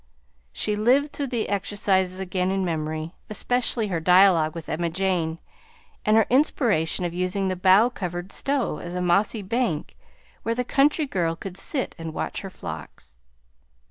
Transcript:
She lived through the exercises again in memory, especially her dialogue with Emma Jane and her inspiration of using the bough covered stove as a mossy bank where the country girl could sit and watch her flocks.